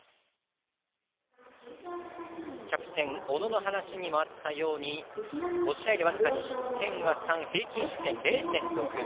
キャプテンの小野の話にもあったように５試合で僅かに失点は３平均失点０．６。